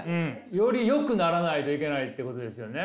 よりよくならないといけないってことですよね？